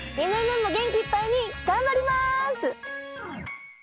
２年目も元気いっぱいに頑張ります！